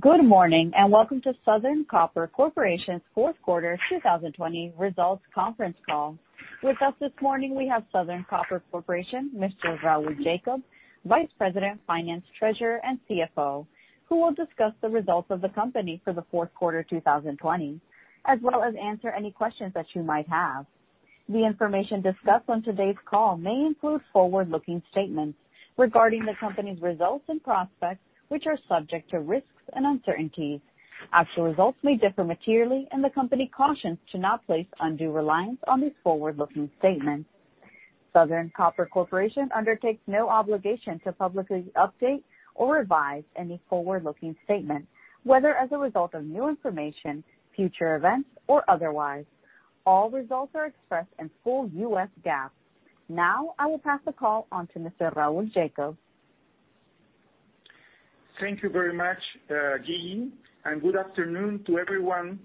Good morning and welcome to Southern Copper Corporation's fourth quarter 2020 results conference call. With us this morning, we have Southern Copper Corporation, Mr. Raul Jacob, Vice President, Finance, Treasurer, and CFO, who will discuss the results of the company for the fourth quarter 2020, as well as answer any questions that you might have. The information discussed on today's call may include forward-looking statements regarding the company's results and prospects, which are subject to risks and uncertainties. Actual results may differ materially, and the company cautions to not place undue reliance on these forward-looking statements. Southern Copper Corporation undertakes no obligation to publicly update or revise any forward-looking statement, whether as a result of new information, future events, or otherwise. All results are expressed in full U.S. GAAP. Now, I will pass the call on to Mr. Raul Jacob. Thank you very much, Guillen, and good afternoon to everyone,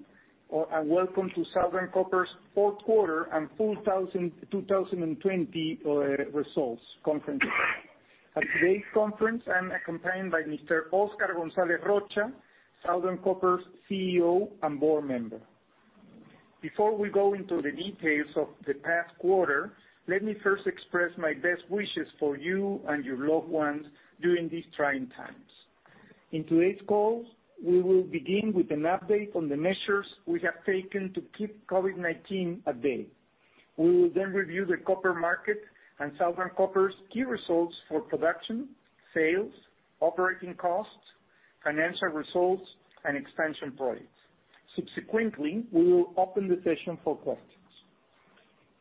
and welcome to Southern Copper's fourth quarter and 2020 results conference call. At today's conference, I'm accompanied by Mr. Oscar González Rocha, Southern Copper's CEO and Board Member. Before we go into the details of the past quarter, let me first express my best wishes for you and your loved ones during these trying times. In today's call, we will begin with an update on the measures we have taken to keep COVID-19 at bay. We will then review the copper market and Southern Copper's key results for production, sales, operating costs, financial results, and expansion projects. Subsequently, we will open the session for questions.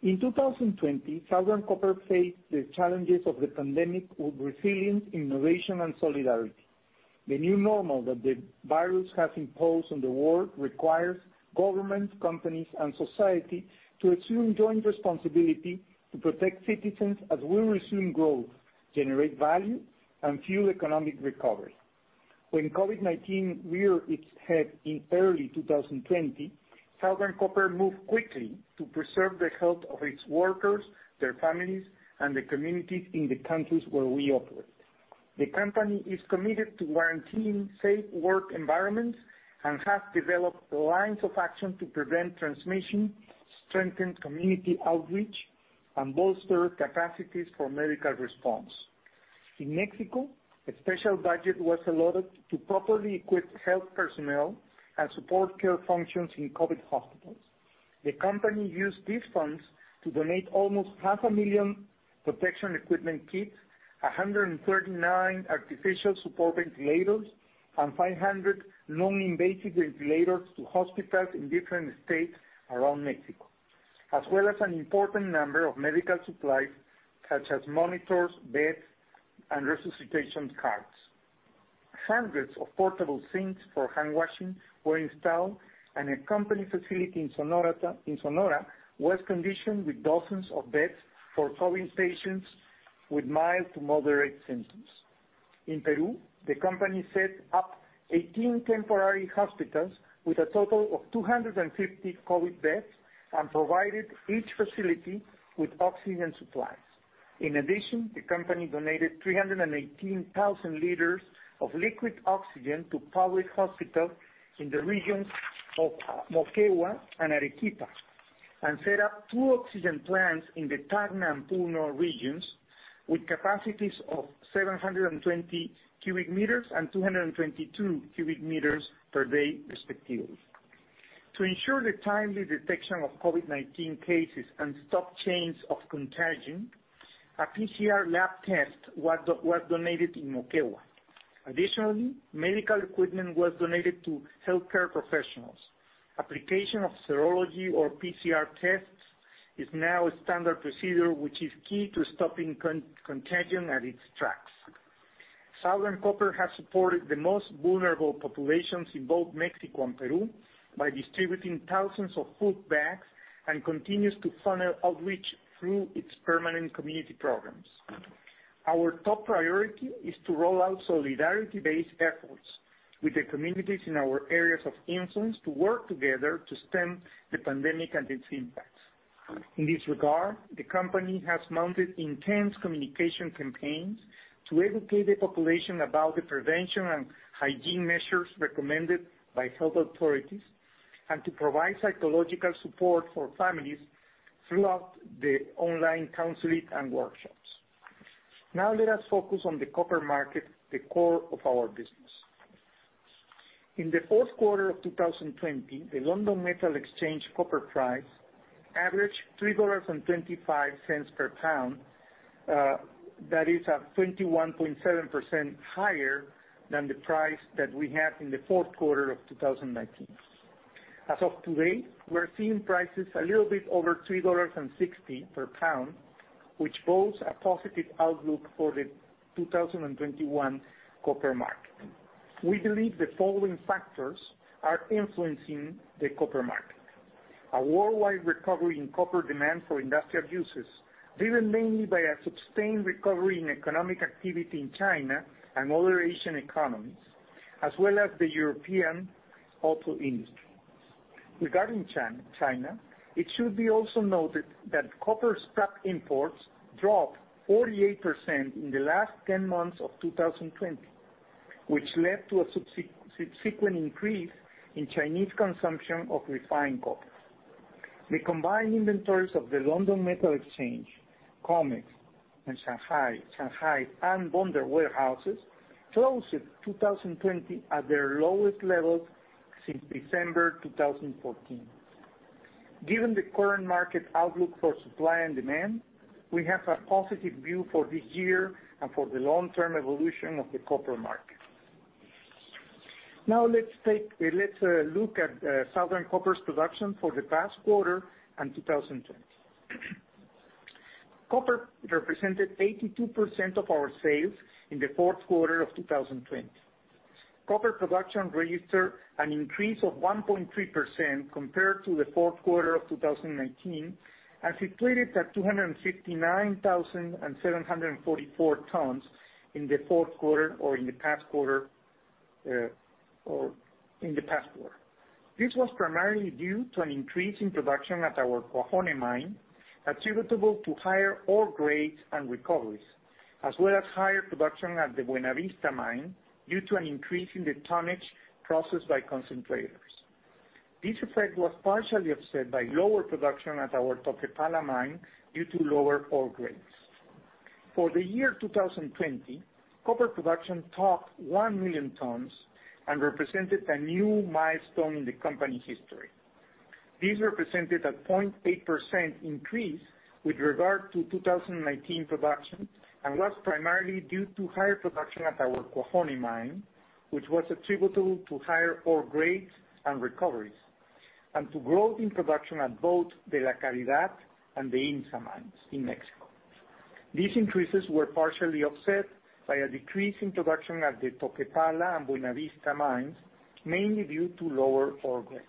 In 2020, Southern Copper faced the challenges of the pandemic with resilience, innovation, and solidarity. The new normal that the virus has imposed on the world requires governments, companies, and society to assume joint responsibility to protect citizens as we resume growth, generate value, and fuel economic recovery. When COVID-19 reared its head in early 2020, Southern Copper moved quickly to preserve the health of its workers, their families, and the communities in the countries where we operate. The company is committed to guaranteeing safe work environments and has developed lines of action to prevent transmission, strengthen community outreach, and bolster capacities for medical response. In Mexico, a special budget was allotted to properly equip health personnel and support care functions in COVID hospitals. The company used these funds to donate almost 500,000 protection equipment kits, 139 artificial support ventilators, and 500 non-invasive ventilators to hospitals in different states around Mexico, as well as an important number of medical supplies such as monitors, beds, and resuscitation carts. Hundreds of portable sinks for handwashing were installed, and a company facility in Sonora was conditioned with dozens of beds for COVID patients with mild to moderate symptoms. In Peru, the company set up 18 temporary hospitals with a total of 250 COVID beds and provided each facility with oxygen supplies. In addition, the company donated 318,000 liters of liquid oxygen to public hospitals in the regions of Moquegua and Arequipa and set up two oxygen plants in the Tacna and Puno regions with capacities of 720 cubic meters and 222 cubic meters per day, respectively. To ensure the timely detection of COVID-19 cases and stop chains of contagion, a PCR lab test was donated in Moquegua. Additionally, medical equipment was donated to healthcare professionals. Application of serology or PCR tests is now a standard procedure, which is key to stopping contagion in its tracks. Southern Copper has supported the most vulnerable populations in both Mexico and Peru by distributing thousands of food bags and continues to funnel outreach through its permanent community programs. Our top priority is to roll out solidarity-based efforts with the communities in our areas of influence to work together to stem the pandemic and its impacts. In this regard, the company has mounted intense communication campaigns to educate the population about the prevention and hygiene measures recommended by health authorities and to provide psychological support for families throughout the online counseling and workshops. Now, let us focus on the copper market, the core of our business. In the fourth quarter of 2020, the London Metal Exchange copper price averaged $3.25 per pound, that is 21.7% higher than the price that we had in the fourth quarter of 2019. As of today, we're seeing prices a little bit over $3.60 per pound, which bodes a positive outlook for the 2021 copper market. We believe the following factors are influencing the copper market: a worldwide recovery in copper demand for industrial uses, driven mainly by a sustained recovery in economic activity in China and other Asian economies, as well as the European auto industry. Regarding China, it should be also noted that copper scrap imports dropped 48% in the last 10 months of 2020, which led to a subsequent increase in Chinese consumption of refined copper. The combined inventories of the London Metal Exchange, Comex, and Shanghai and bonded warehouses closed 2020 at their lowest levels since December 2014. Given the current market outlook for supply and demand, we have a positive view for this year and for the long-term evolution of the copper market. Now, let's look at Southern Copper's production for the past quarter and 2020. Copper represented 82% of our sales in the fourth quarter of 2020. Copper production registered an increase of 1.3% compared to the fourth quarter of 2019 and situated at 259,744 tons in the fourth quarter or in the past quarter. This was primarily due to an increase in production at our Cuajone mine, attributable to higher ore grades and recoveries, as well as higher production at the Buenavista mine due to an increase in the tonnage processed by concentrators. This effect was partially offset by lower production at our Toquepala mine due to lower ore grades. For the year 2020, copper production topped 1 million tons and represented a new milestone in the company history. This represented a 0.8% increase with regard to 2019 production and was primarily due to higher production at our Cuajone mine, which was attributable to higher ore grades and recoveries, and to growth in production at both the La Caridad and the IMMSA mines in Mexico. These increases were partially offset by a decrease in production at the Toquepala and Buenavista mines, mainly due to lower ore grades.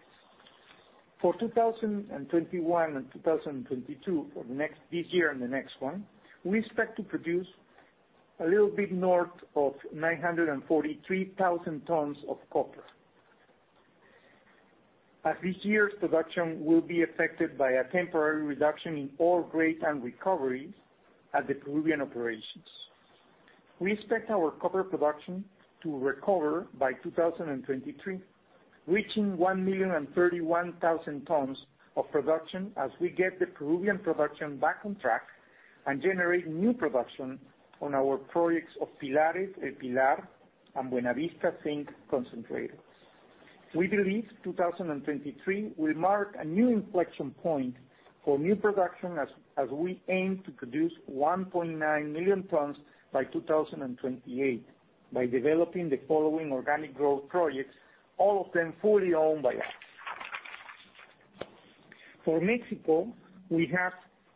For 2021 and 2022, for this year and the next one, we expect to produce a little bit north of 943,000 tons of copper, as this year's production will be affected by a temporary reduction in ore grades and recoveries at the Peruvian operations. We expect our copper production to recover by 2023, reaching 1,031,000 tons of production as we get the Peruvian production back on track and generate new production on our projects of Pilares, El Pilar, and Buenavista zinc concentrators. We believe 2023 will mark a new inflection point for new production as we aim to produce 1.9 million tons by 2028 by developing the following organic growth projects, all of them fully owned by us. For Mexico, we have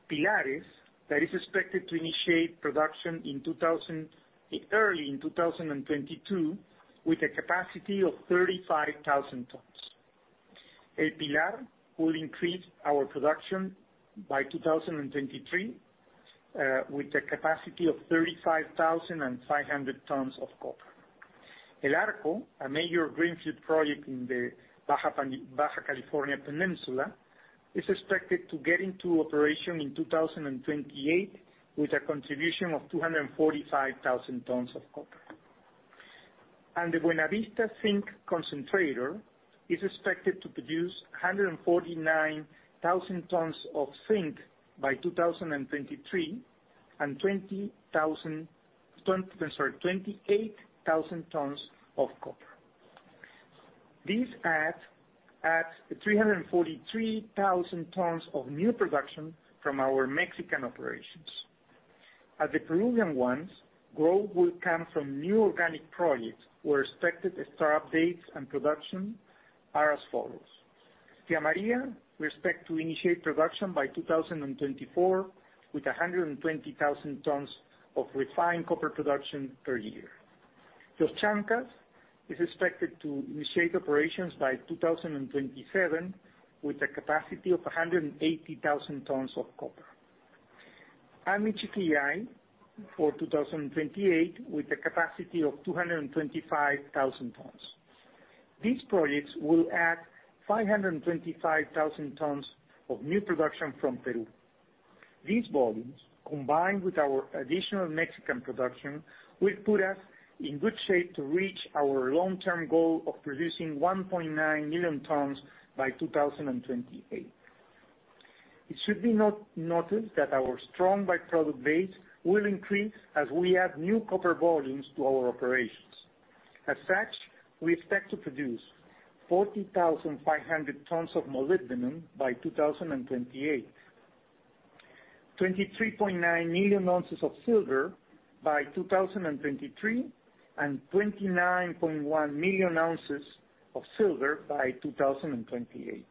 Pilares that is expected to initiate production early in 2022 with a capacity of 35,000 tons. El Pilar will increase our production by 2023 with a capacity of 35,500 tons of copper. El Arco, a major greenfield project in the Baja California Peninsula, is expected to get into operation in 2028 with a contribution of 245,000 tons of copper. The Buenavista Zinc concentrator is expected to produce 149,000 tons of zinc by 2023 and 28,000 tons of copper. This adds 343,000 tons of new production from our Mexican operations. At the Peruvian ones, growth will come from new organic projects where expected start dates and production are as follows: Tía María, we expect to initiate production by 2024 with 120,000 tons of refined copper production per year. Los Chancas is expected to initiate operations by 2027 with a capacity of 180,000 tons of copper. Michiquillay for 2028 with a capacity of 225,000 tons. These projects will add 525,000 tons of new production from Peru. These volumes, combined with our additional Mexican production, will put us in good shape to reach our long-term goal of producing 1.9 million tons by 2028. It should be noted that our strong byproduct base will increase as we add new copper volumes to our operations. As such, we expect to produce 40,500 tons of molybdenum by 2028, 23.9 million ounces of silver by 2023, and 29.1 million ounces of silver by 2028.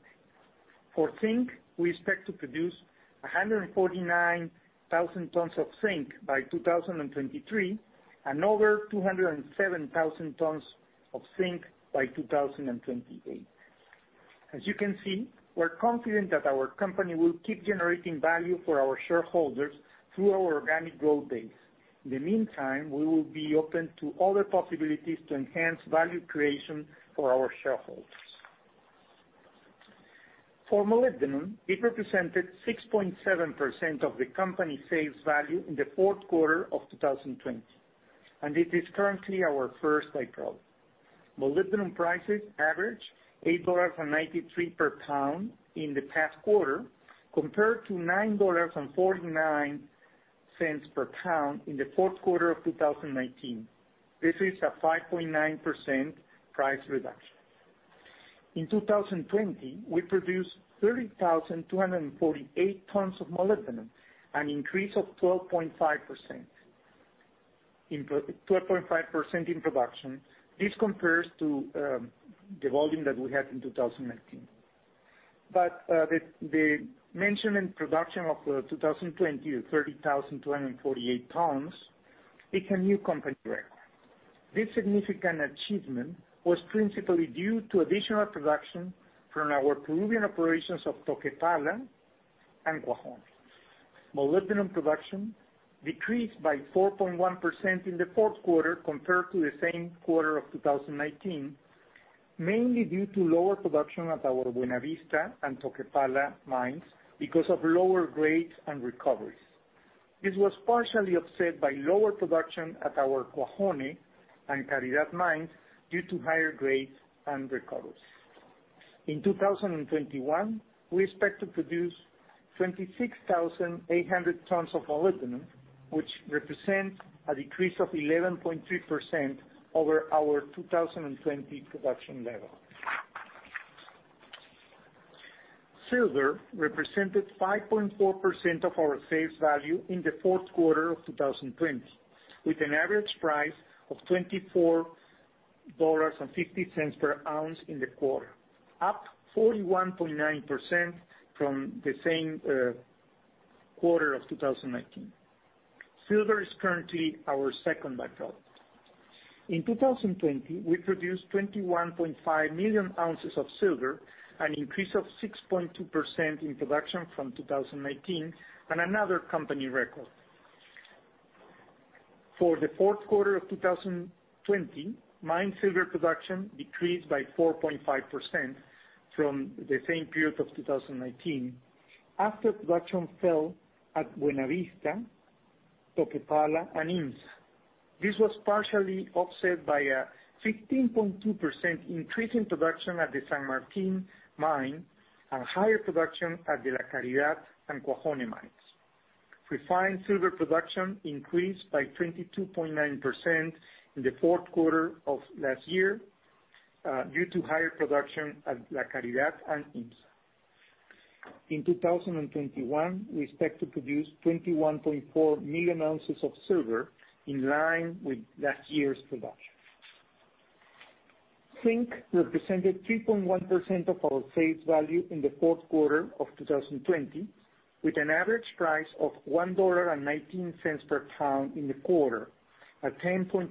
For zinc, we expect to produce 149,000 tons of zinc by 2023 and over 207,000 tons of zinc by 2028. As you can see, we're confident that our company will keep generating value for our shareholders through our organic growth base. In the meantime, we will be open to other possibilities to enhance value creation for our shareholders. For molybdenum, it represented 6.7% of the company's sales value in the fourth quarter of 2020, and it is currently our first byproduct. Molybdenum prices averaged $8.93 per pound in the past quarter compared to $9.49 per pound in the fourth quarter of 2019. This is a 5.9% price reduction. In 2020, we produced 30,248 tons of molybdenum, an increase of 12.5% in production. This compares to the volume that we had in 2019. The molybdenum production of 2020, 30,248 tons, is a new company record. This significant achievement was principally due to additional production from our Peruvian operations of Toquepala and Cuajone. Molybdenum production decreased by 4.1% in the fourth quarter compared to the same quarter of 2019, mainly due to lower production at our Buenavista and Toquepala mines because of lower grades and recoveries. This was partially offset by higher production at our Cuajone and La Caridad mines due to higher grades and recoveries. In 2021, we expect to produce 26,800 tons of molybdenum, which represents a decrease of 11.3% over our 2020 production level. Silver represented 5.4% of our sales value in the fourth quarter of 2020, with an average price of $24.50 per ounce in the quarter, up 41.9% from the same quarter of 2019. Silver is currently our second byproduct. In 2020, we produced 21.5 million ounces of silver, an increase of 6.2% in production from 2019, and another company record. For the fourth quarter of 2020, mine silver production decreased by 4.5% from the same period of 2019 after production fell at Buenavista, Toquepala, and IMMSA. This was partially offset by a 15.2% increase in production at the San Martin mine and higher production at the La Caridad and Cuajone mines. Refined silver production increased by 22.9% in the fourth quarter of last year due to higher production at La Caridad and IMMSA. In 2021, we expect to produce 21.4 million ounces of silver in line with last year's production. Zinc represented 3.1% of our sales value in the fourth quarter of 2020, with an average price of $1.19 per pound in the quarter, a 10.2%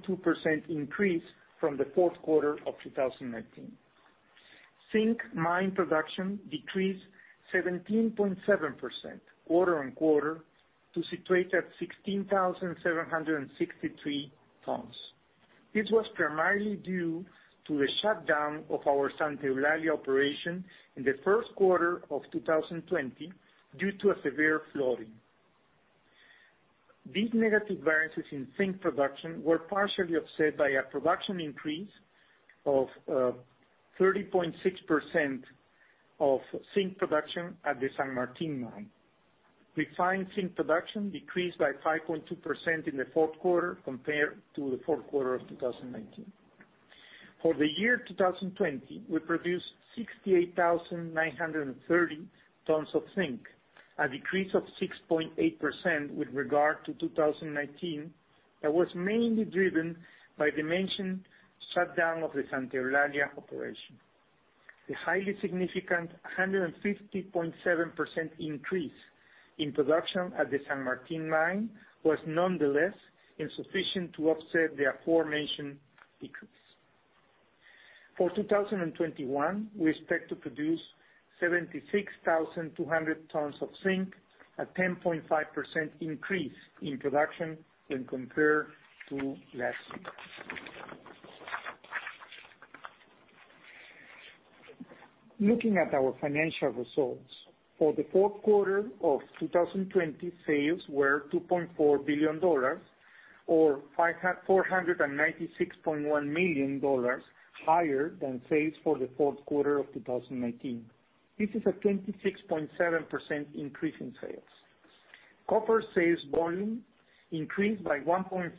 increase from the fourth quarter of 2019. Zinc mine production decreased 17.7% quarter on quarter to situated at 16,763 tons. This was primarily due to the shutdown of our Santa Eulalia operation in the first quarter of 2020 due to a severe flooding. These negative variances in zinc production were partially offset by a production increase of 30.6% of zinc production at the San Martin mine. Refined zinc production decreased by 5.2% in the fourth quarter compared to the fourth quarter of 2019. For the year 2020, we produced 68,930 tons of zinc, a decrease of 6.8% with regard to 2019 that was mainly driven by the mentioned shutdown of the Santa Eulalia operation. The highly significant 150.7% increase in production at the San Martin mine was nonetheless insufficient to offset the aforementioned decrease. For 2021, we expect to produce 76,200 tons of zinc, a 10.5% increase in production when compared to last year. Looking at our financial results, for the fourth quarter of 2020, sales were $2.4 billion, or $496.1 million, higher than sales for the fourth quarter of 2019. This is a 26.7% increase in sales. Copper sales volume increased by 1.4%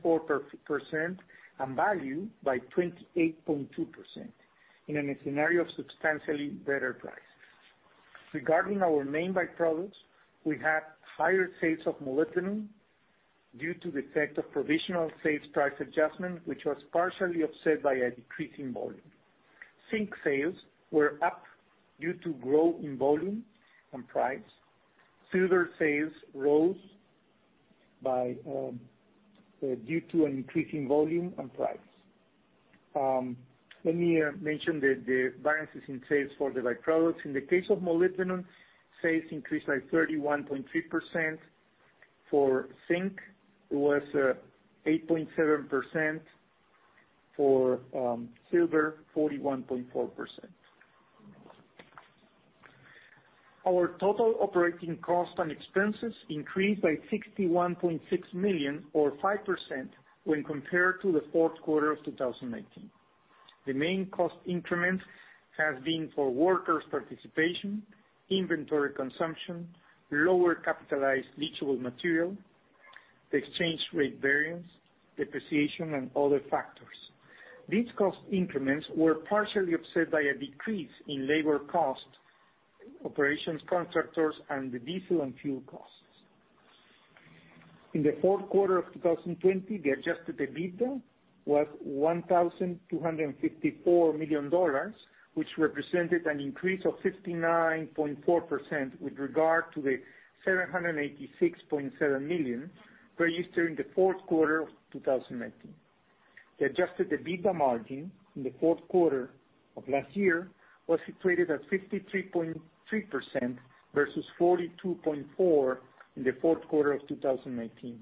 and value by 28.2% in a scenario of substantially better prices. Regarding our main byproducts, we had higher sales of molybdenum due to the effect of provisional sales price adjustment, which was partially offset by a decrease in volume. Zinc sales were up due to growth in volume and price. Silver sales rose due to an increase in volume and price. Let me mention the variances in sales for the byproducts. In the case of molybdenum, sales increased by 31.3%. For zinc, it was 8.7%. For silver, 41.4%. Our total operating cost and expenses increased by $61.6 million, or 5%, when compared to the fourth quarter of 2019. The main cost increments have been for workers' participation, inventory consumption, lower capitalized leachable material, the exchange rate variance, depreciation, and other factors. These cost increments were partially offset by a decrease in labor costs, operations, contractors, and the diesel and fuel costs. In the fourth quarter of 2020, the Adjusted EBITDA was $1,254 million, which represented an increase of 59.4% with regard to the $786.7 million produced during the fourth quarter of 2019. The Adjusted EBITDA margin in the fourth quarter of last year was situated at 53.3% versus 42.4% in the fourth quarter of 2019.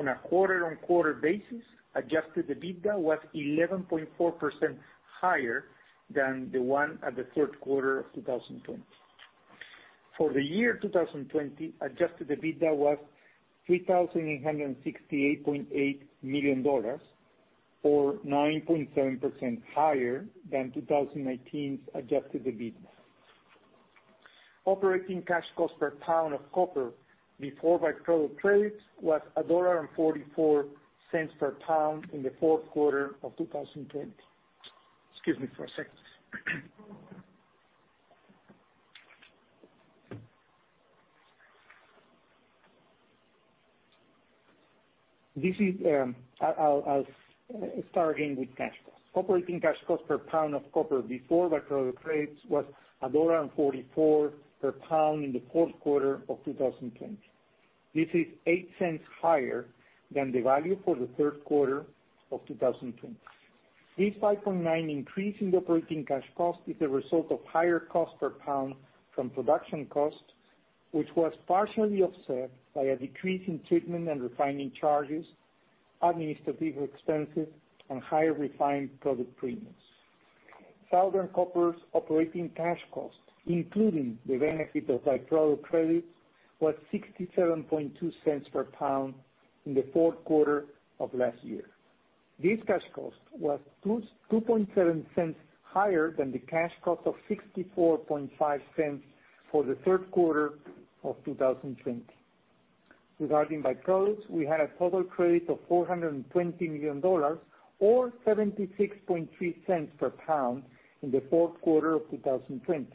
On a quarter-on-quarter basis, Adjusted EBITDA was 11.4% higher than the one at the third quarter of 2020. For the year 2020, Adjusted EBITDA was $3,868.8 million, or 9.7% higher than 2019's Adjusted EBITDA. Operating cash cost per pound of copper before byproduct credits was $1.44 per pound in the fourth quarter of 2020. Excuse me for a second. I'll start again with cash cost. Operating cash cost per pound of copper before byproduct credits was $1.44 per pound in the fourth quarter of 2020. This is $0.08 higher than the value for the third quarter of 2020. This 5.9% increase in the operating cash cost is the result of higher cost per pound from production cost, which was partially offset by a decrease in treatment and refining charges, administrative expenses, and higher refined product premiums. Southern Copper's operating cash cost, including the benefit of byproduct credits, was 67.2 cents per pound in the fourth quarter of last year. This cash cost was 2.7 cents higher than the cash cost of 64.5 cents for the third quarter of 2020. Regarding byproducts, we had a total credit of $420 million, or 76.3 cents per pound in the fourth quarter of 2020.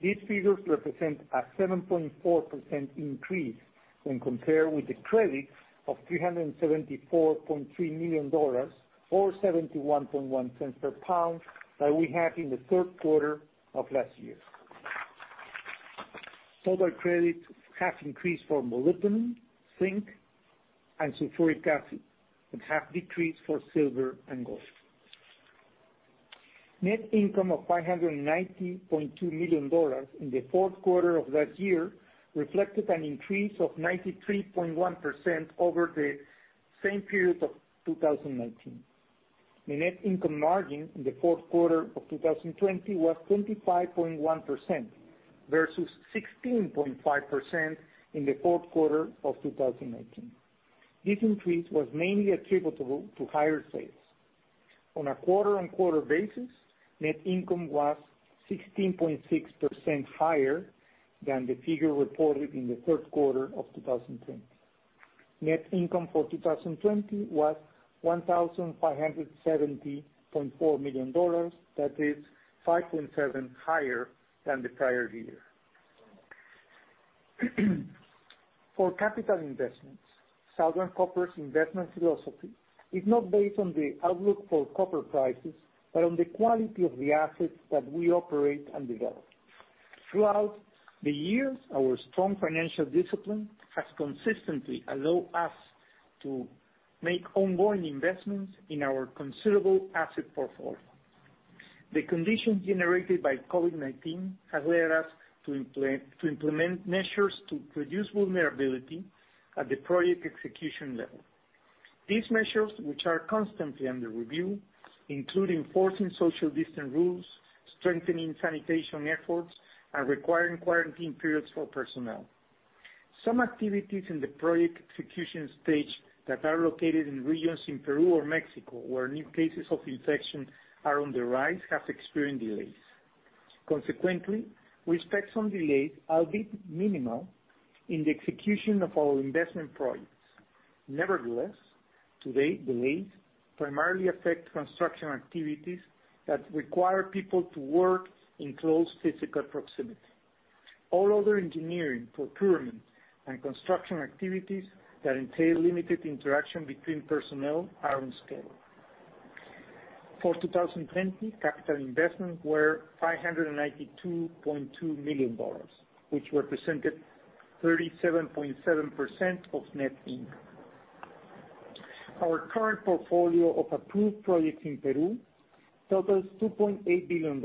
These figures represent a 7.4% increase when compared with the credits of $374.3 million, or 71.1 cents per pound, that we had in the third quarter of last year. Total credits have increased for molybdenum, zinc, and sulfuric acid, and have decreased for silver and gold. Net income of $590.2 million in the fourth quarter of last year reflected an increase of 93.1% over the same period of 2019. The net income margin in the fourth quarter of 2020 was 25.1% versus 16.5% in the fourth quarter of 2019. This increase was mainly attributable to higher sales. On a quarter-on-quarter basis, net income was 16.6% higher than the figure reported in the third quarter of 2020. Net income for 2020 was $1,570.4 million, that is 5.7% higher than the prior year. For capital investments, Southern Copper's investment philosophy is not based on the outlook for copper prices but on the quality of the assets that we operate and develop. Throughout the years, our strong financial discipline has consistently allowed us to make ongoing investments in our considerable asset portfolio. The conditions generated by COVID-19 have led us to implement measures to reduce vulnerability at the project execution level. These measures, which are constantly under review, include enforcing social distance rules, strengthening sanitation efforts, and requiring quarantine periods for personnel. Some activities in the project execution stage that are located in regions in Peru or Mexico where new cases of infection are on the rise have experienced delays. Consequently, we expect some delays, albeit minimal, in the execution of our investment projects. Nevertheless, today, delays primarily affect construction activities that require people to work in close physical proximity. All other engineering, procurement, and construction activities that entail limited interaction between personnel are on schedule. For 2020, capital investments were $592.2 million, which represented 37.7% of net income. Our current portfolio of approved projects in Peru totals $2.8 billion,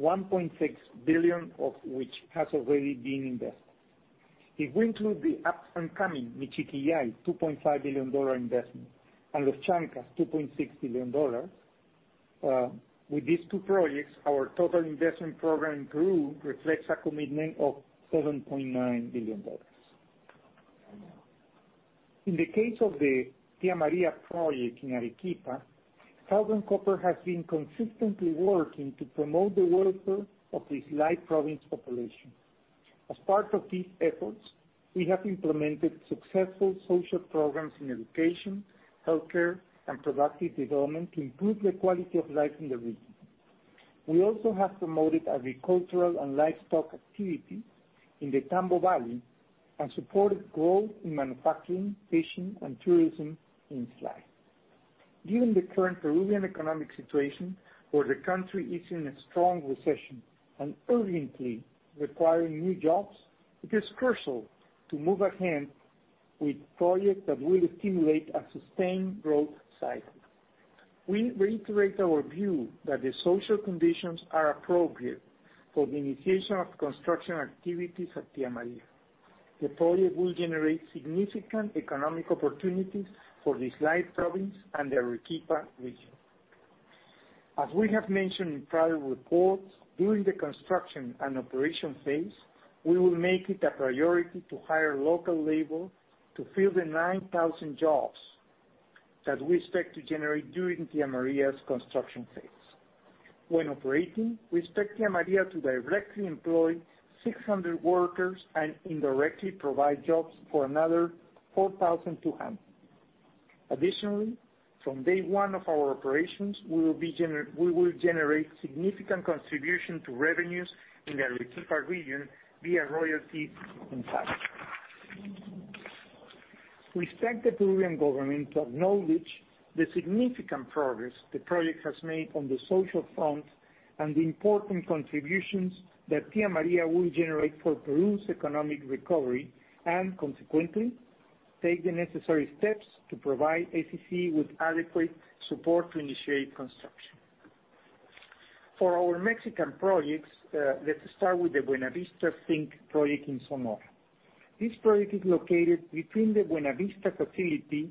$1.6 billion of which has already been invested. If we include the up-and-coming Michiquillay $2.5 billion investment and Los Chancas $2.6 billion, with these two projects, our total investment program in Peru reflects a commitment of $7.9 billion. In the case of the Tía María project in Arequipa, Southern Copper has been consistently working to promote the welfare of its Islay province population. As part of these efforts, we have implemented successful social programs in education, healthcare, and productive development to improve the quality of life in the region. We also have promoted agricultural and livestock activity in the Tambo Valley and supported growth in manufacturing, fishing, and tourism in Islay. Given the current Peruvian economic situation, where the country is in a strong recession and urgently requiring new jobs, it is crucial to move ahead with projects that will stimulate and sustain growth cycles. We reiterate our view that the social conditions are appropriate for the initiation of construction activities at Tía María. The project will generate significant economic opportunities for this Islay province and the Arequipa region. As we have mentioned in prior reports, during the construction and operation phase, we will make it a priority to hire local labor to fill the 9,000 jobs that we expect to generate during Tía María's construction phase. When operating, we expect Tía María to directly employ 600 workers and indirectly provide jobs for another 4,200. Additionally, from day one of our operations, we will generate significant contribution to revenues in the Arequipa region via royalties and taxes. We expect the Peruvian government to acknowledge the significant progress the project has made on the social front and the important contributions that Tía María will generate for Peru's economic recovery and, consequently, take the necessary steps to provide ACC with adequate support to initiate construction. For our Mexican projects, let's start with the Buenavista Zinc project in Sonora. This project is located between the Buenavista facility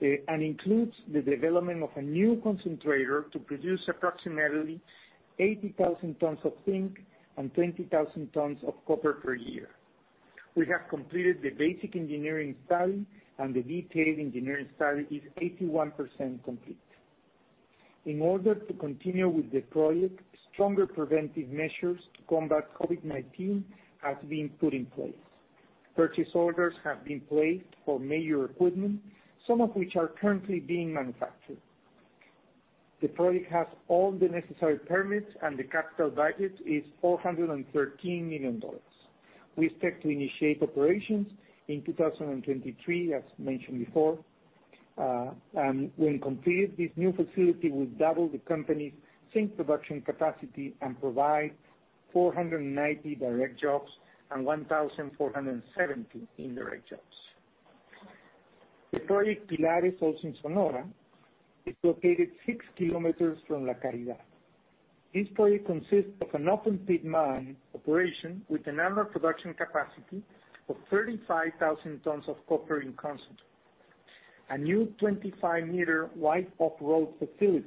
and includes the development of a new concentrator to produce approximately 80,000 tons of zinc and 20,000 tons of copper per year. We have completed the basic engineering study, and the detailed engineering study is 81% complete. In order to continue with the project, stronger preventive measures to combat COVID-19 have been put in place. Purchase orders have been placed for major equipment, some of which are currently being manufactured. The project has all the necessary permits, and the capital budget is $413 million. We expect to initiate operations in 2023, as mentioned before, and when completed, this new facility will double the company's zinc production capacity and provide 490 direct jobs and 1,470 indirect jobs. The project Pilares, also in Sonora, is located 6 kilometers from La Caridad. This project consists of an open-pit mine operation with an annual production capacity of 35,000 tons of copper in concentrate. A new 25-meter wide off-road haul road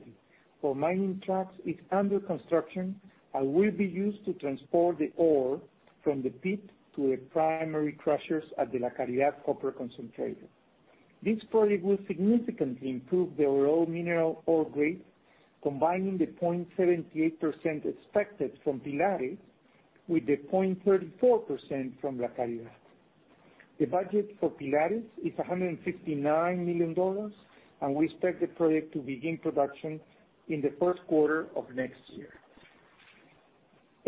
for mining trucks is under construction and will be used to transport the ore from the pit to the primary crushers at the La Caridad copper concentrator. This project will significantly improve the overall mineral ore grade, combining the 0.78% expected from Pilares with the 0.34% from La Caridad. The budget for Pilares is $159 million, and we expect the project to begin production in the first quarter of next year.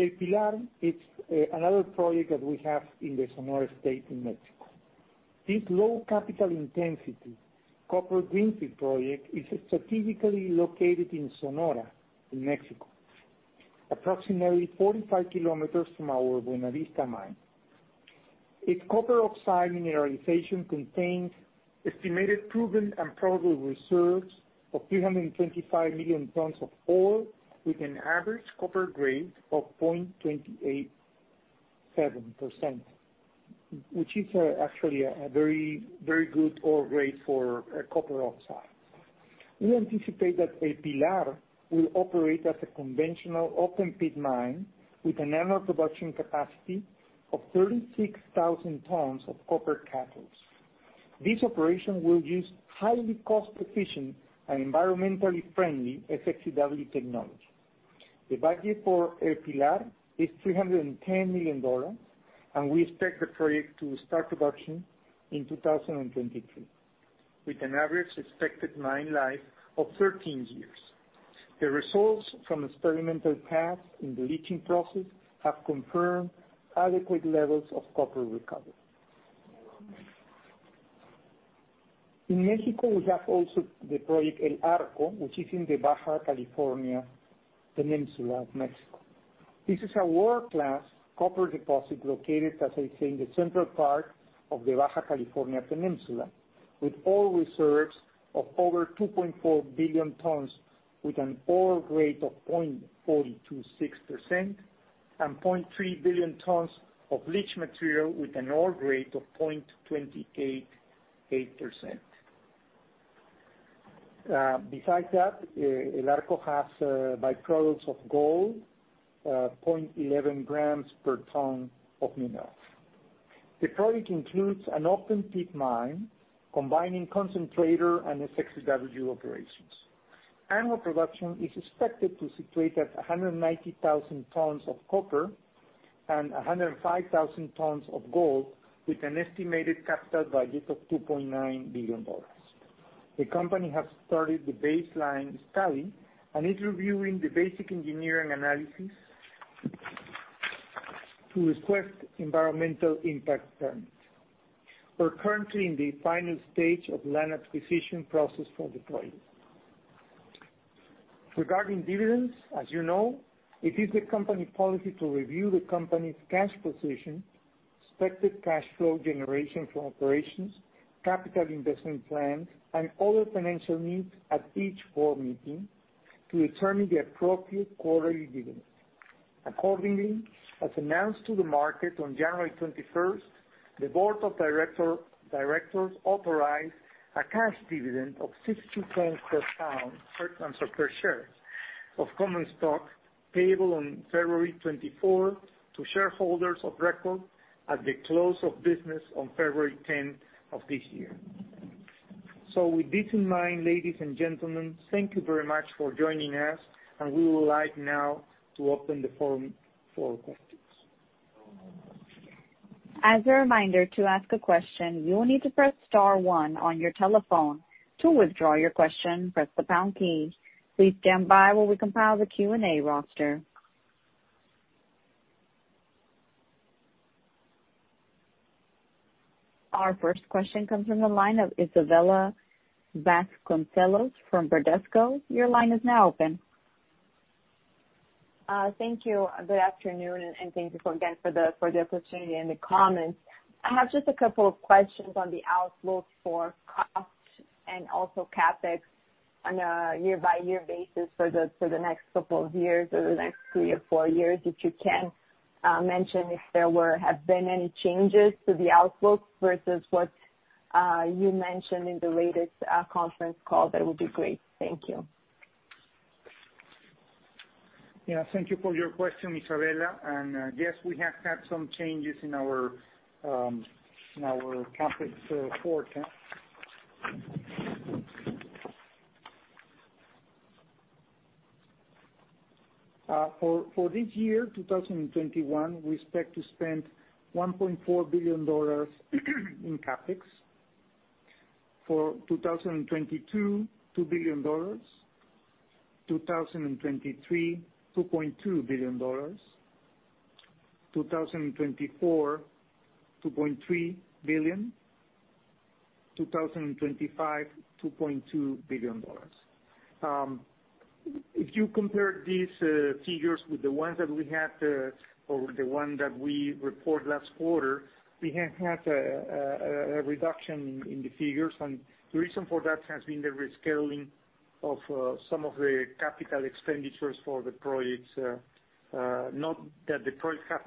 El Pilar is another project that we have in the Sonora state in Mexico. This low capital intensity copper greenfield project is strategically located in Sonora, in Mexico, approximately 45 km from our Buenavista mine. Its copper oxide mineralization contains estimated proven and probable reserves of 325 million tons of ore with an average copper grade of 0.287%, which is actually a very, very good ore grade for copper oxide. We anticipate that El Pilar will operate as a conventional open-pit mine with an annual production capacity of 36,000 tons of copper cathodes. This operation will use highly cost-efficient and environmentally friendly SX-EW technology. The budget for El Pilar is $310 million, and we expect the project to start production in 2023, with an average expected mine life of 13 years. The results from experimental tests in the leaching process have confirmed adequate levels of copper recovery. In Mexico, we have also the project El Arco, which is in the Baja California Peninsula of Mexico. This is a world-class copper deposit located, as I said, in the central part of the Baja California Peninsula, with ore reserves of over 2.4 billion tons, with an ore grade of 0.426% and 0.3 billion tons of leach material with an ore grade of 0.288%. Besides that, El Arco has byproducts of gold, 0.11 grams per ton of minerals. The project includes an open-pit mine combining concentrator and SX-EW operations. Annual production is expected to situate at 190,000 tons of copper and 105,000 tons of gold, with an estimated capital budget of $2.9 billion. The company has started the baseline study and is reviewing the basic engineering analysis to request environmental impact permits. We're currently in the final stage of the land acquisition process for the project. Regarding dividends, as you know, it is the company's policy to review the company's cash position, expected cash flow generation from operations, capital investment plans, and other financial needs at each board meeting to determine the appropriate quarterly dividend. Accordingly, as announced to the market on January 21st, the board of directors authorized a cash dividend of $0.60 per share of common stock payable on February 24 to shareholders of record at the close of business on February 10th, of this year. So, with this in mind, ladies and gentlemen, thank you very much for joining us, and we would like now to open the forum for questions. As a reminder, to ask a question, you will need to press star one on your telephone. To withdraw your question, press the pound key. Please stand by while we compile the Q&A roster. Our first question comes from the line of Isabella Vasconcelos from Bradesco. Your line is now open. Thank you. Good afternoon, and thank you again for the opportunity and the comments. I have just a couple of questions on the outlook for cost and also CapEx on a year-by-year basis for the next couple of years or the next three or four years. If you can mention if there have been any changes to the outlook versus what you mentioned in the latest conference call, that would be great. Thank you. Yeah, thank you for your question, Isabella. And yes, we have had some changes in our CapEx forecast. For this year, 2021, we expect to spend $1.4 billion in CapEx. For 2022, $2 billion; 2023, $2.2 billion; 2024, $2.3 billion; 2025, $2.2 billion. If you compare these figures with the ones that we had or the one that we reported last quarter, we have had a reduction in the figures, and the reason for that has been the rescheduling of some of the capital expenditures for the projects. Not that the projects have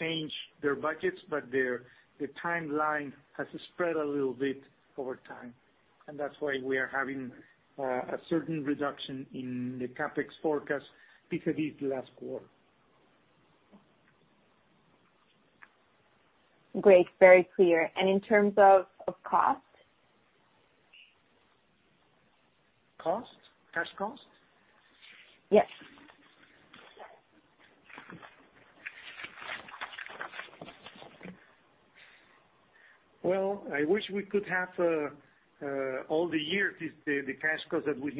changed their budgets, but the timeline has spread a little bit over time, and that's why we are having a certain reduction in the CapEx forecast vis-à-vis last quarter. Great. Very clear. And in terms of cost? Cost? Cash cost? Yes. Well, I wish we could have all the years, the cash cost that we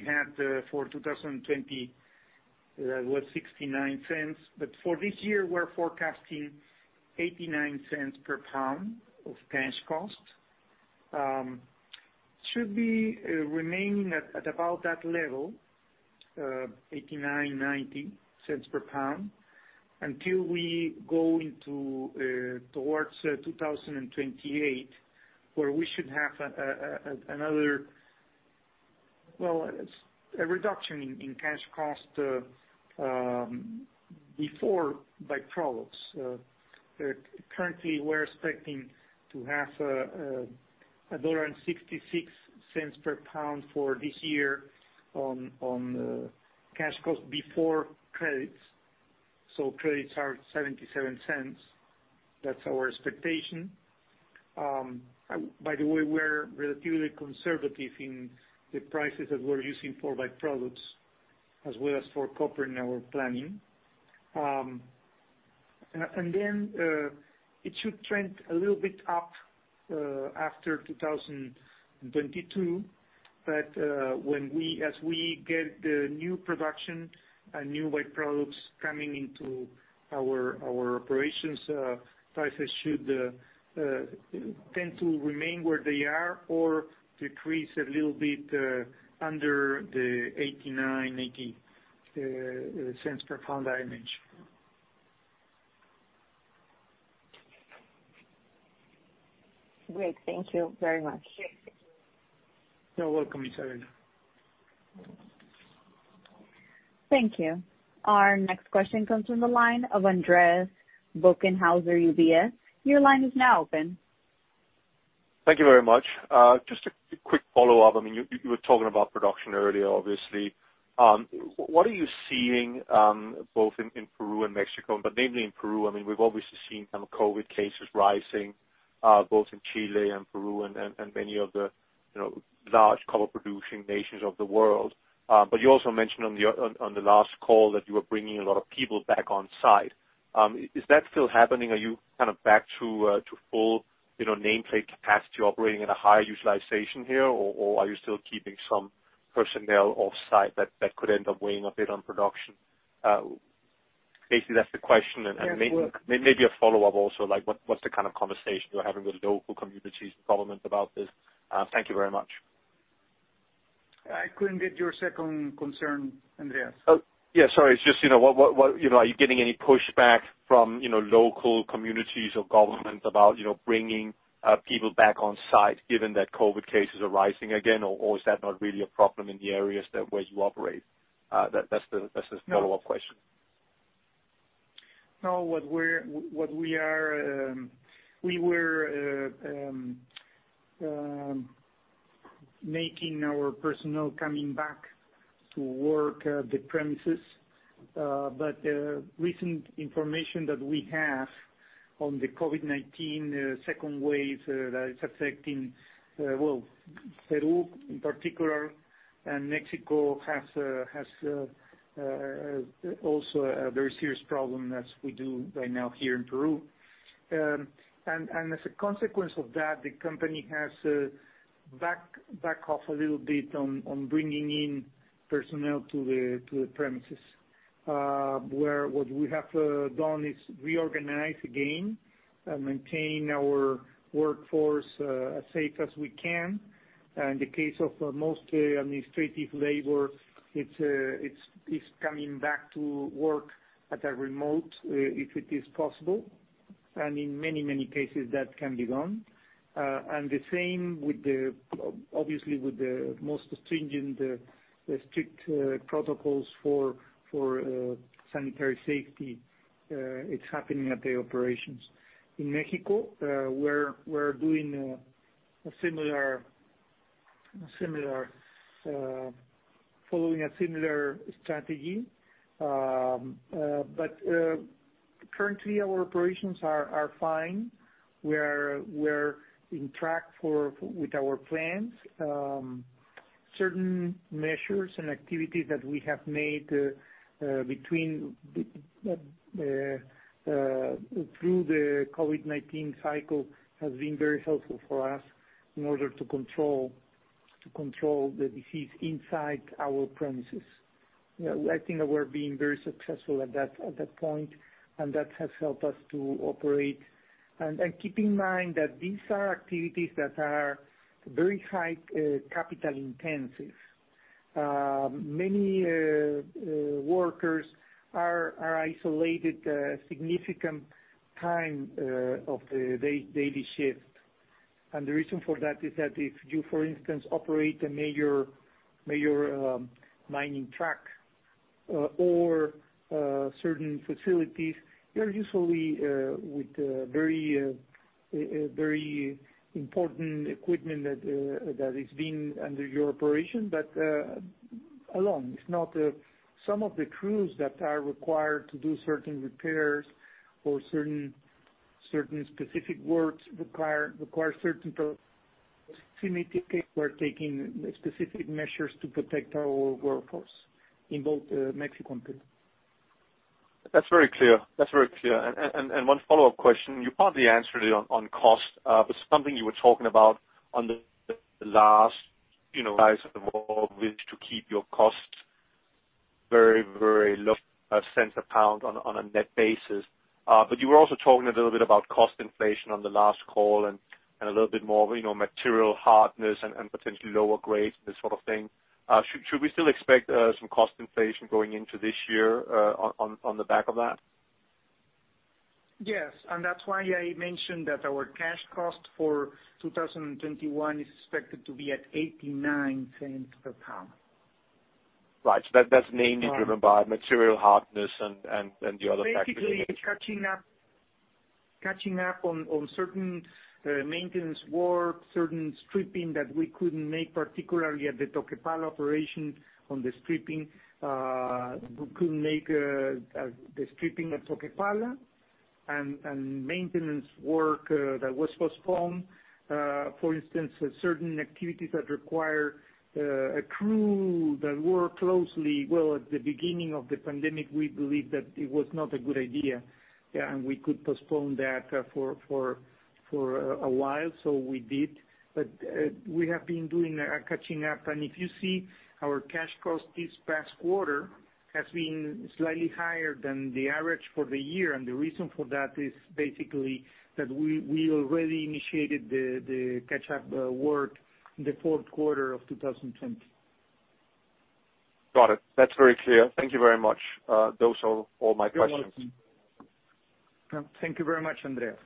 had for 2020, that was $0.69. But for this year, we're forecasting $0.89 per pound of cash cost. It should be remaining at about that level, $0.8990 per pound, until we go towards 2028, where we should have another, well, a reduction in cash cost before byproducts. Currently, we're expecting to have $1.66 per pound for this year on cash cost before credits. So credits are $0.77. That's our expectation. By the way, we're relatively conservative in the prices that we're using for byproducts, as well as for copper in our planning. And then it should trend a little bit up after 2022, but as we get the new production and new byproducts coming into our operations, prices should tend to remain where they are or decrease a little bit under the $0.8980 per pound, I mentioned. Great. Thank you very much. You're welcome, Isabella. Thank you. Our next question comes from the line of Andreas Bokkenheuser, UBS. Your line is now open. Thank you very much. Just a quick follow-up. I mean, you were talking about production earlier, obviously. What are you seeing both in Peru and Mexico, but mainly in Peru? I mean, we've obviously seen COVID cases rising both in Chile and Peru and many of the large copper-producing nations of the world. But you also mentioned on the last call that you were bringing a lot of people back on site. Is that still happening? Are you kind of back to full nameplate capacity operating at a higher utilization here, or are you still keeping some personnel off-site that could end up weighing a bit on production? Basically, that's the question. And maybe a follow-up also, what's the kind of conversation you're having with local communities and government about this? Thank you very much. I couldn't get your second concern, Andreas. Yeah, sorry. It's just, are you getting any pushback from local communities or government about bringing people back on-site given that COVID cases are rising again, or is that not really a problem in the areas where you operate? That's the follow-up question. No, what we are making our personnel coming back to work at the premises, but recent information that we have on the COVID-19 second wave that is affecting, well, Peru in particular, and Mexico has also a very serious problem as we do right now here in Peru, and as a consequence of that, the company has backed off a little bit on bringing in personnel to the premises. What we have done is reorganize again and maintain our workforce as safe as we can. In the case of most administrative labor, it's coming back to work remotely if it is possible. In many, many cases, that can be done. The same, obviously, with the most stringent, strict protocols for sanitary safety. It's happening at the operations. In Mexico, we're following a similar strategy. But currently, our operations are fine. We're on track with our plans. Certain measures and activities that we have made through the COVID-19 cycle have been very helpful for us in order to control the disease inside our premises. I think we're being very successful at that point, and that has helped us to operate. Keep in mind that these are activities that are very capital-intensive. Many workers are isolated a significant time of the daily shift. The reason for that is that if you, for instance, operate a major mining truck or certain facilities, you're usually with very important equipment that is being under your operation, but alone. Some of the crews that are required to do certain repairs or certain specific work require certain proximity because we're taking specific measures to protect our workforce in both Mexico and Peru. That's very clear. That's very clear. One follow-up question. You partly answered it on cost, but something you were talking about on the last call. You guys have evolved to keep your costs very, very low cents a pound on a net basis. You were also talking a little bit about cost inflation on the last call and a little bit more material hardness and potentially lower grades and this sort of thing. Should we still expect some cost inflation going into this year on the back of that? Yes. And that's why I mentioned that our cash cost for 2021 is expected to be at $0.89 per pound. Right. So that's mainly driven by material hardness and the other factors. Basically, it's catching up on certain maintenance work, certain stripping that we couldn't make, particularly at the Toquepala operation on the stripping. We couldn't make the stripping at Toquepala and maintenance work that was postponed. For instance, certain activities that require a crew that work closely, well, at the beginning of the pandemic, we believed that it was not a good idea, and we could postpone that for a while. So we did. But we have been doing a catching up, and if you see, our cash cost this past quarter has been slightly higher than the average for the year. And the reason for that is basically that we already initiated the catch-up work in the fourth quarter of 2020. Got it. That's very clear. Thank you very much. Those are all my questions. You're welcome. Thank you very much, Andreas.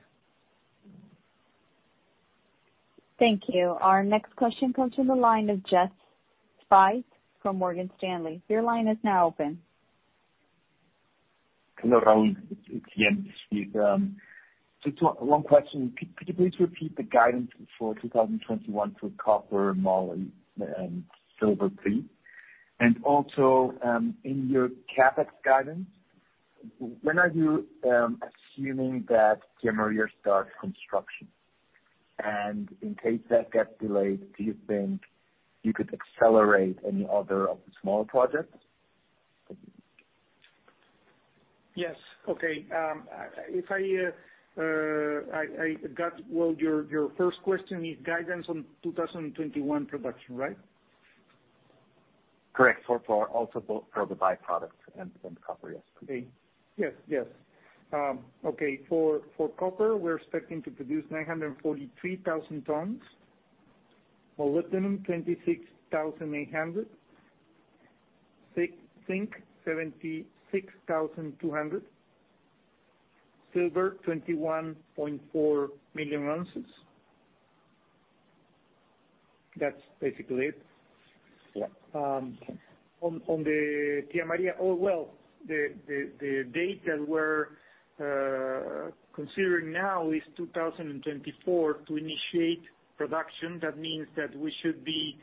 Thank you. Our next question comes from the line of Jens Spiess from Morgan Stanley. Your line is now open. Hello, Raul. It's Jens. With one question. Could you please repeat the guidance for 2021 for copper, moly, and silver, zinc? And also, in your CapEx guidance, when are you assuming that Tía María starts construction? And in case that gets delayed, do you think you could accelerate any other of the smaller projects? Yes. Okay. I got your first question is guidance on 2021 production, right? Correct. Also for the byproducts and copper, yes. Okay. Yes, yes. Okay. For copper, we're expecting to produce 943,000 tons. Molybdenum, 26,800. Zinc, 76,200. Silver, 21.4 million ounces. That's basically it. On the Tía María, oh well, the date that we're considering now is 2024 to initiate production. That means that we should be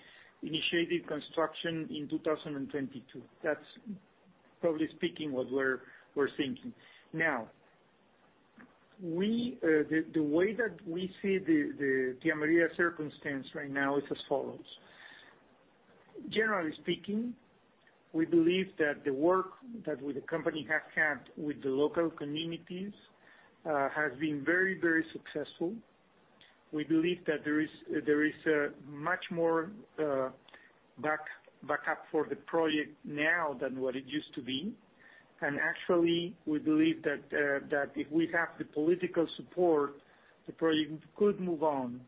initiating construction in 2022. That's probably speaking what we're thinking. Now, the way that we see the Tía María circumstance right now is as follows. Generally speaking, we believe that the work that the company has had with the local communities has been very, very successful. We believe that there is much more backup for the project now than what it used to be. And actually, we believe that if we have the political support, the project could move on.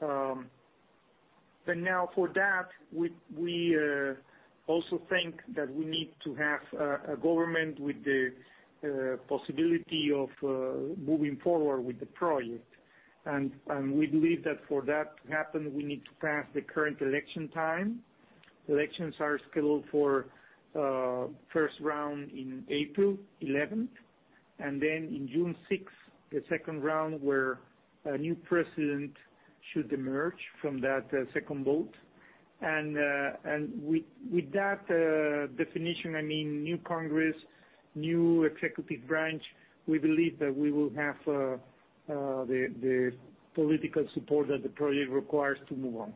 But now, for that, we also think that we need to have a government with the possibility of moving forward with the project. We believe that for that to happen, we need to pass the current election time. Elections are scheduled for first round in April 11th, and then in June 6th, the second round where a new president should emerge from that second vote. And with that definition, I mean new Congress, new executive branch, we believe that we will have the political support that the project requires to move on.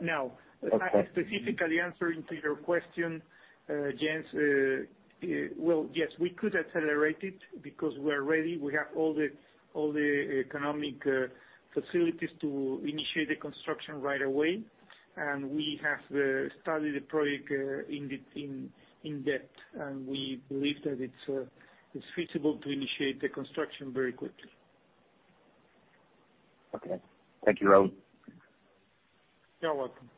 Now, specifically answering to your question, Jens, well, yes, we could accelerate it because we're ready. We have all the economic facilities to initiate the construction right away, and we have studied the project in depth, and we believe that it's feasible to initiate the construction very quickly. Okay. Thank you, Raul. You're welcome.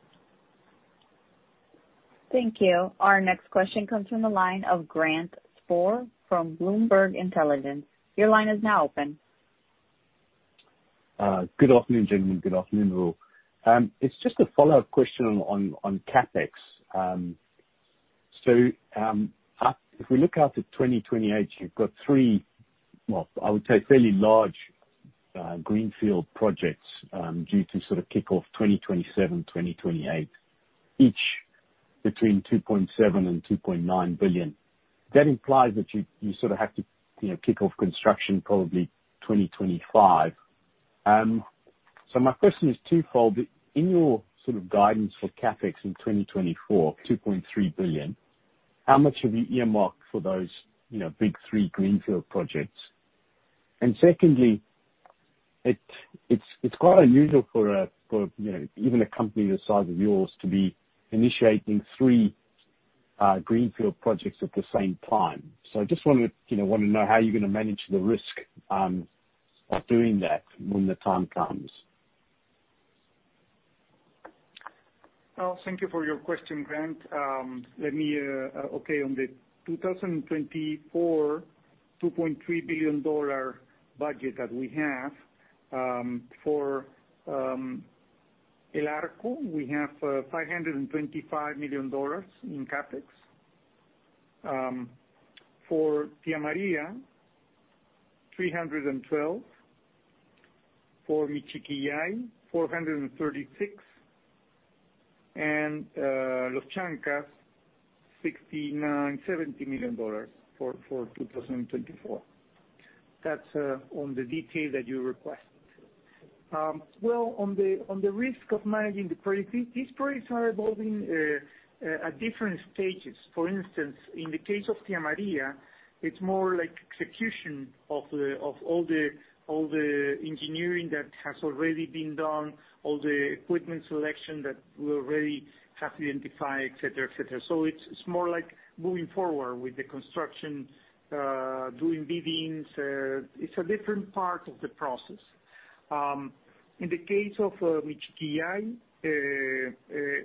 Thank you. Our next question comes from the line of Grant Sporre from Bloomberg Intelligence. Your line is now open. Good afternoon, gentlemen. Good afternoon, Raul. It's just a follow-up question on CapEx. So if we look at the 2028, you've got three, well, I would say fairly large greenfield projects due to sort of kick off 2027, 2028, each between $2.7 billion and $2.9 billion. That implies that you sort of have to kick off construction probably 2025. So my question is twofold. In your sort of guidance for CapEx in 2024, $2.3 billion. How much have you earmarked for those big three greenfield projects? And secondly, it's quite unusual for even a company the size of yours to be initiating three greenfield projects at the same time. So I just want to know how you're going to manage the risk of doing that when the time comes. Well, thank you for your question, Grant. Okay. On the 2024, $2.3 billion budget that we have for El Arco, we have $525 million in CapEx. For Tía María, $312. For Michiquillay, $436. And Los Chancas, $69 to $70 million for 2024. That's on the detail that you requested. Well, on the risk of managing the project, these projects are evolving at different stages. For instance, in the case of Tía María, it's more like execution of all the engineering that has already been done, all the equipment selection that we already have identified, etc., etc. So it's more like moving forward with the construction, doing biddings. It's a different part of the process. In the case of Michiquillay,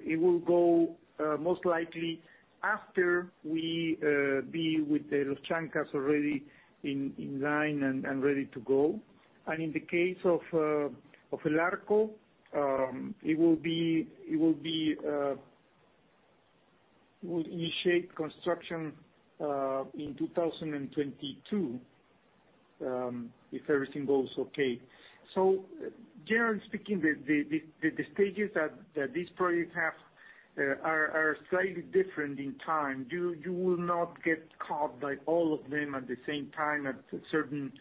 it will go most likely after we be with the Los Chancas already in line and ready to go. And in the case of El Arco, it will initiate construction in 2022 if everything goes okay. So generally speaking, the stages that these projects have are slightly different in time. You will not get caught by all of them at the same time at certain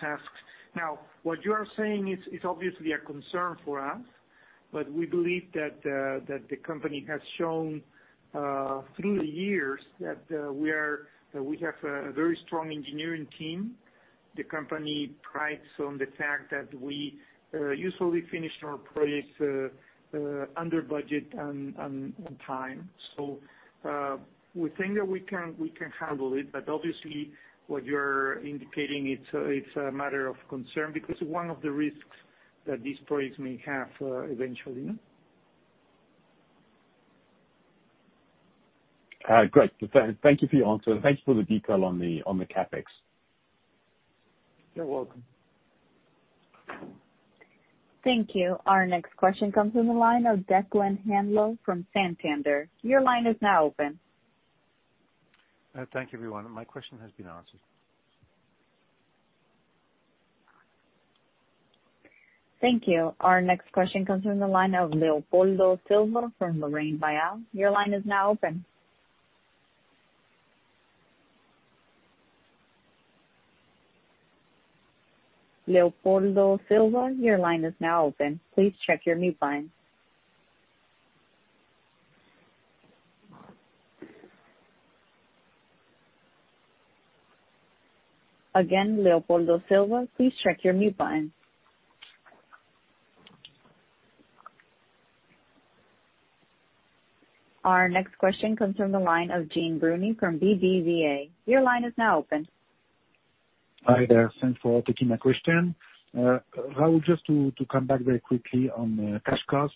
tasks. Now, what you are saying is obviously a concern for us, but we believe that the company has shown through the years that we have a very strong engineering team. The company prides on the fact that we usually finish our projects under budget and time. So we think that we can handle it, but obviously, what you're indicating, it's a matter of concern because one of the risks that these projects may have eventually. Great. Thank you for your answer. Thank you for the detail on the CapEx. You're welcome. Thank you. Our next question comes from the line of Declan Hanlon from Santander. Your line is now open. Thank you, everyone. My question has been answered. Thank you. Our next question comes from the line of Leopoldo Silva from LarrainVial. Your line is now open. Leopoldo Silva, your line is now open. Please check your mute button. Again, Leopoldo Silva, please check your mute button. Our next question comes from the line of Jean Bruny from BBVA. Your line is now open. Hi there. Thanks for taking my question. Raul, just to come back very quickly on cash cost,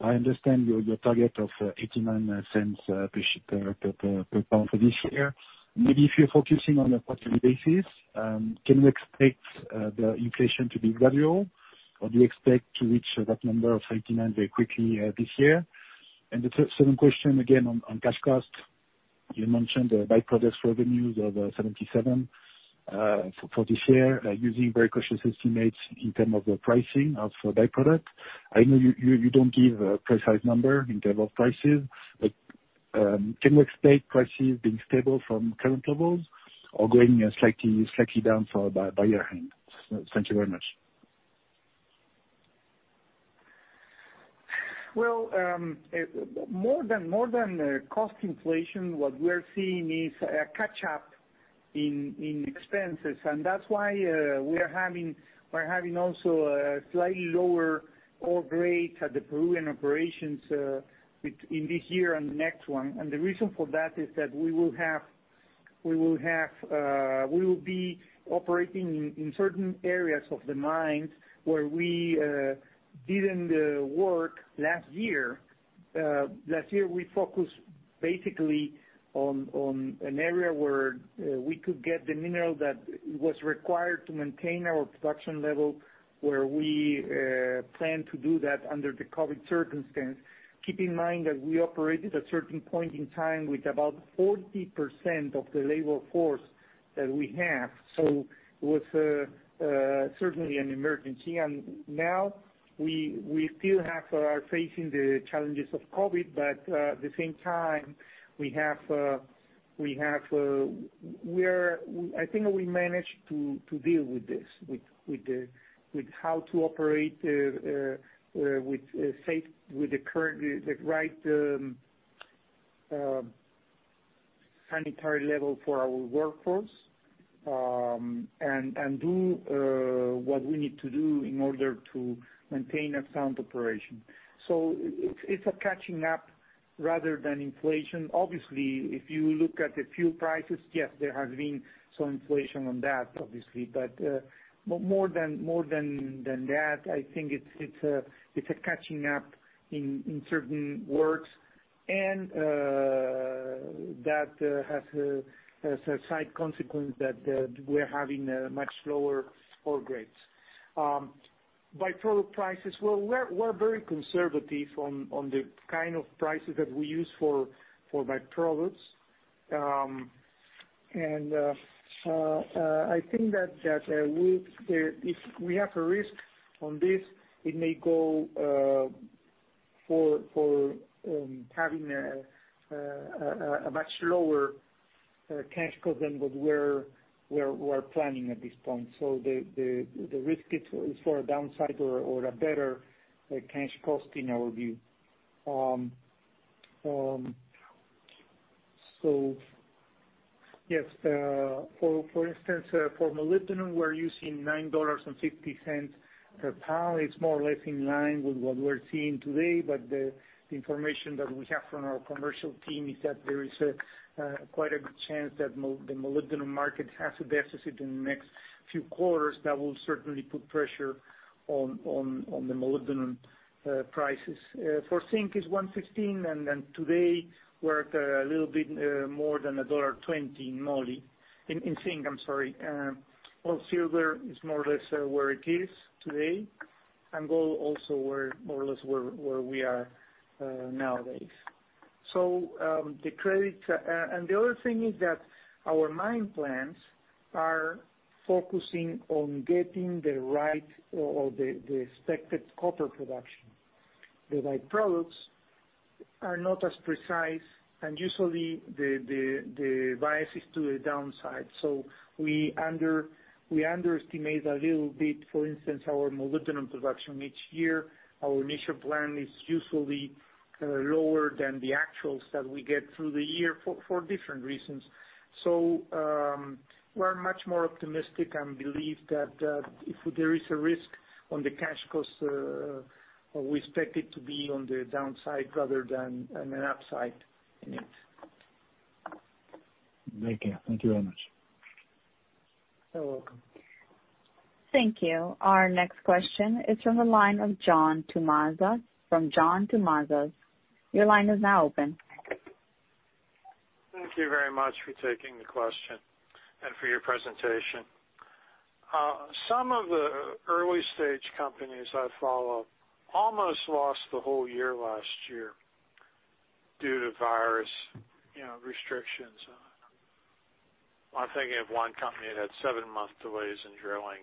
I understand your target of $0.89 per pound for this year. Maybe if you're focusing on a quarterly basis, can you expect the inflation to be gradual, or do you expect to reach that number of $0.89 very quickly this year? And the second question, again, on cash cost, you mentioned the byproducts revenues of $0.77 for this year, using very cautious estimates in terms of the pricing of byproduct. I know you don't give a precise number in terms of prices, but can you explain prices being stable from current levels or going slightly down by your hand? Thank you very much. More than cost inflation, what we're seeing is a catch-up in expenses, and that's why we're having also a slightly lower ore grade at the Peruvian operations in this year and next one. The reason for that is that we will be operating in certain areas of the mines where we didn't work last year. Last year, we focused basically on an area where we could get the mineral that was required to maintain our production level, where we planned to do that under the COVID circumstance. Keep in mind that we operated at a certain point in time with about 40% of the labor force that we have. So it was certainly an emergency. And now, we still are facing the challenges of COVID, but at the same time, we are. I think we managed to deal with this, with how to operate with the right sanitary level for our workforce and do what we need to do in order to maintain a sound operation. So it's a catching up rather than inflation. Obviously, if you look at the fuel prices, yes, there has been some inflation on that, obviously. But more than that, I think it's a catching up in certain areas. And that has a side consequence that we're having much lower ore grades. Byproduct prices, well, we're very conservative on the kind of prices that we use for byproducts. I think that if we have a risk on this, it may go for having a much lower cash cost than what we're planning at this point. The risk is for a downside or a better cash cost in our view. Yes, for instance, for molybdenum, we're using $9.50 per pound. It's more or less in line with what we're seeing today, but the information that we have from our commercial team is that there is quite a good chance that the molybdenum market has a deficit in the next few quarters that will certainly put pressure on the molybdenum prices. For zinc, it's $1.15, and then today, we're at a little bit more than $1.20 in moly. In zinc, I'm sorry. Silver is more or less where it is today. Gold also, we're more or less where we are nowadays. So the credits and the other thing is that our mine plans are focusing on getting the right or the expected copper production. The byproducts are not as precise, and usually, the bias is to the downside. So we underestimate a little bit. For instance, our molybdenum production each year, our initial plan is usually lower than the actuals that we get through the year for different reasons. So we're much more optimistic and believe that if there is a risk on the cash cost, we expect it to be on the downside rather than an upside in it. Okay. Thank you very much. You're welcome. Thank you. Our next question is from the line of John Tumazos. From John Tumazos, your line is now open. Thank you very much for taking the question and for your presentation. Some of the early-stage companies I follow almost lost the whole year last year due to virus restrictions. I'm thinking of one company that had seven-month delays in drilling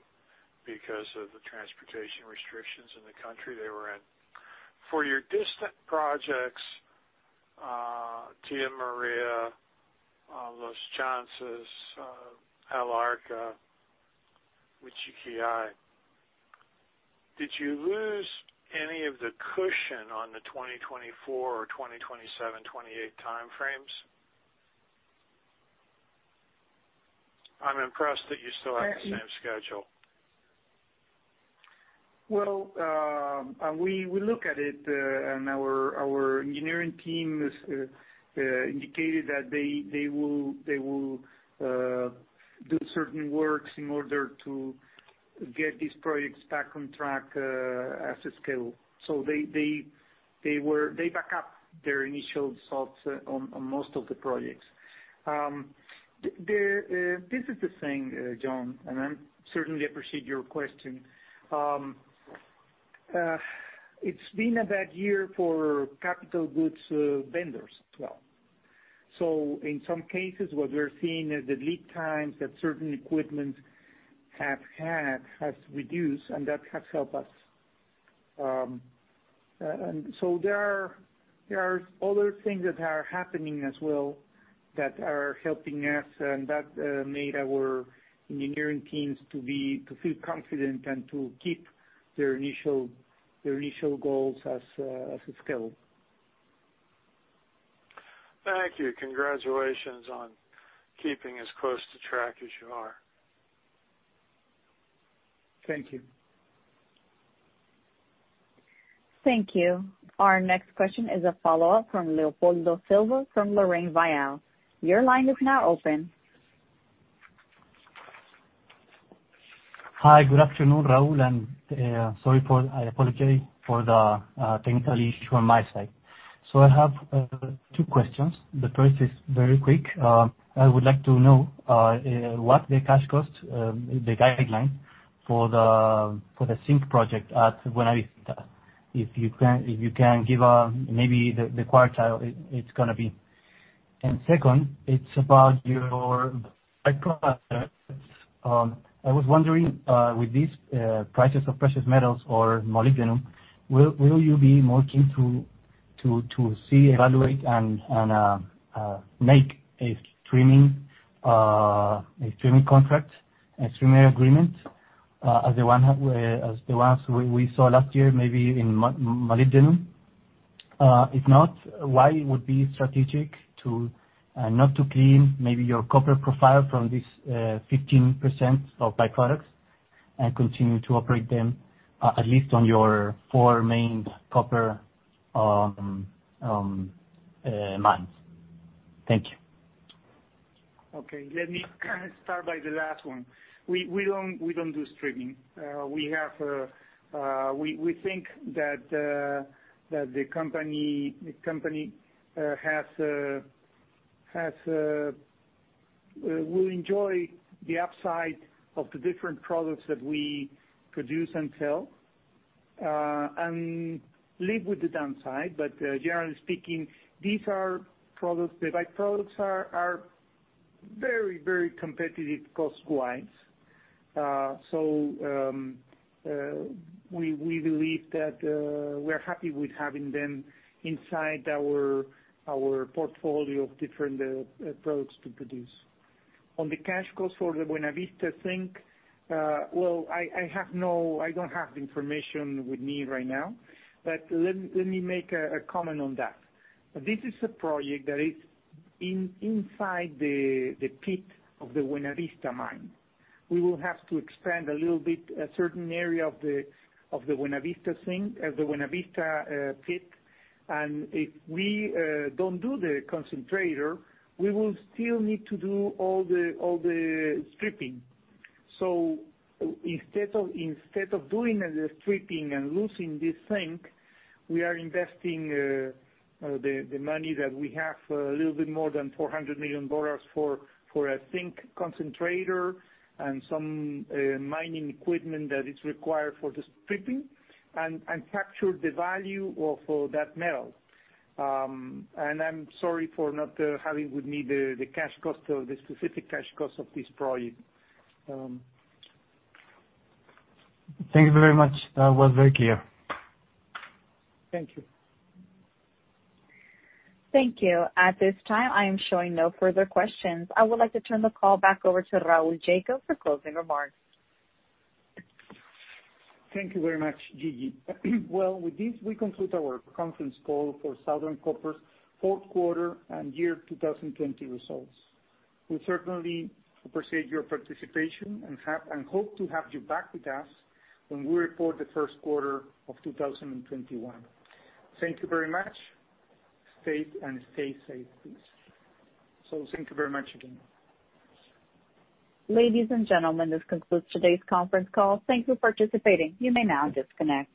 because of the transportation restrictions in the country they were in. For your distant projects, Tía María, Los Chancas, El Arco, Michiquillay, did you lose any of the cushion on the 2024 or 2027, 2028 timeframes? I'm impressed that you still have the same schedule. Well, we look at it, and our engineering team indicated that they will do certain works in order to get these projects back on track as a scale. So they back up their initial thoughts on most of the projects. This is the thing, John, and I certainly appreciate your question. It's been a bad year for capital goods vendors as well. So in some cases, what we're seeing is the lead times that certain equipment have had has reduced, and that has helped us. And so there are other things that are happening as well that are helping us, and that made our engineering teams to feel confident and to keep their initial goals as a scale. Thank you. Congratulations on keeping as close to track as you are. Thank you. Thank you. Our next question is a follow-up from Leopoldo Silva from LarrainVial. Your line is now open. Hi. Good afternoon, Raul. And sorry, I apologize for the technical issue on my side. So I have two questions. The first is very quick. I would like to know what the cash cost, the guideline for the zinc project at Buenavista. If you can give maybe the quartile, it's going to be. And second, it's about your byproducts. I was wondering, with these prices of precious metals or molybdenum, will you be more keen to see, evaluate, and make a streaming contract, a streaming agreement as the ones we saw last year, maybe in molybdenum? If not, why would it be strategic to not to clean maybe your copper profile from this 15% of byproducts and continue to operate them, at least on your four main copper mines? Thank you. Okay. Let me start by the last one. We don't do streaming. We think that the company has we enjoy the upside of the different products that we produce and sell and live with the downside. But generally speaking, these are products the byproducts are very, very competitive cost-wise. So we believe that we're happy with having them inside our portfolio of different products to produce. On the cash cost for the Buenavista Zinc, well, I don't have the information with me right now, but let me make a comment on that. This is a project that is inside the pit of the Buenavista mine. We will have to expand a little bit a certain area of the Buenavista Zinc, the Buenavista pit, and if we don't do the concentrator, we will still need to do all the stripping, so instead of doing the stripping and losing this zinc, we are investing the money that we have, a little bit more than $400 million for a zinc concentrator and some mining equipment that is required for the stripping and capture the value of that metal, and I'm sorry for not having with me the cash cost of the specific cash cost of this project. Thank you very much. That was very clear. Thank you. Thank you. At this time, I am showing no further questions. I would like to turn the call back over to Raul Jacob for closing remarks. Thank you very much, Gigi. Well, with this, we conclude our conference call for Southern Copper's fourth quarter and year 2020 results. We certainly appreciate your participation and hope to have you back with us when we report the first quarter of 2021. Thank you very much. Stay safe, please. So thank you very much again. Ladies and gentlemen, this concludes today's conference call. Thank you for participating. You may now disconnect.